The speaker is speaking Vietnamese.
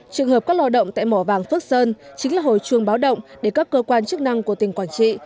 trường hợp các lo động tại mỏ vàng phước sơn chính là hồi chuông báo động để các cơ quan chức năng của tỉnh quảng trị